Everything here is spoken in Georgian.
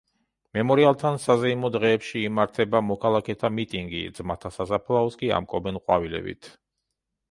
მემორიალთან საზეიმო დღეებში იმართება მოქალაქეთა მიტინგი, ძმათა სასაფლაოს კი ამკობენ ყვავილებით.